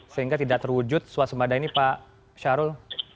sehingga tidak terwujud swasembada ini pak syahrul